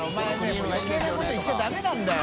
もう余計なこと言っちゃダメなんだよ。